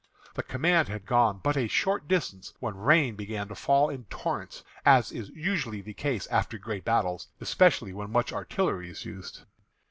The command had gone but a short distance when rain began to fall in torrents, as is usually the case after great battles, especially when much artillery is used.